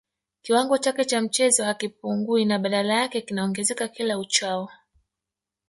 Kiwango chake cha mchezo hakipungui na badala yake kinaongezeka kila uchao